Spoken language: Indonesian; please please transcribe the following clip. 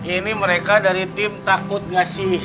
ini mereka dari tim takut gasi